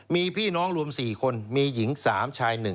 มีพี่น้องรวม๔คนมีหญิง๓ชาย๑